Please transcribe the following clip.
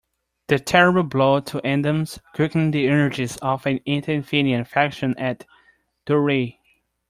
The terrible blow to Athens quickened the energies of an anti-Athenian faction at Thurii.